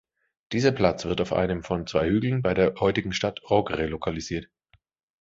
Dieser Platz wird auf einem von zwei Hügeln bei der heutigen Stadt Ogre lokalisiert.